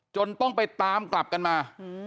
จนต้องไปตามกลับกันมา